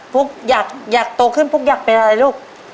ปุ๊กอยากโตขึ้นปุ๊กอยากเป็นอะไรลูก